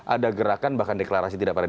ada gerakan bahkan deklarasi tidak pada